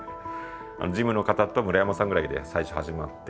事務の方と村山さんぐらいで最初始まって。